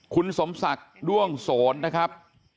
คุณสมศักดิ์ด้วงโสนนะครับ